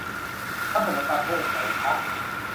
รับขนมปังเพิ่มไหมคะ